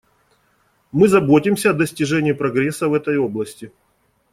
Мы заботимся о достижении прогресса в этой области.